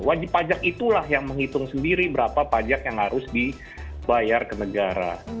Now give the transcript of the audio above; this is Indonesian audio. wajib pajak itulah yang menghitung sendiri berapa pajak yang harus dibayar ke negara